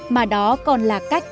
mà đó còn là cách